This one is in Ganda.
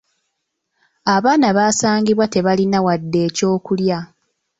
Abaana basangibwa tebalina wadde eky’okulya.